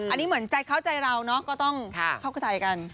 อันนี้เหมือนใจเข้าใจเราเนอะก็ต้องเข้าใจกัน